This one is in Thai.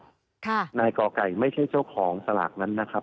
ค่ะนายก่อไก่ไม่ใช่เจ้าของสลากนั้นนะครับ